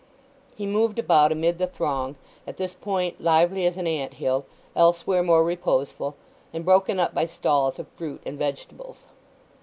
He moved about amid the throng, at this point lively as an ant hill; elsewhere more reposeful, and broken up by stalls of fruit and vegetables.